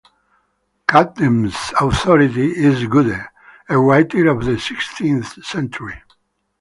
Camden's authority is Goode, a writer of the sixteenth century.